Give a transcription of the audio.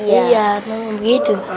iya memang begitu